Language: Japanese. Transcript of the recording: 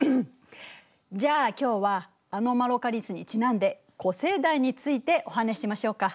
じゃあ今日はアノマロカリスにちなんで古生代についてお話ししましょうか。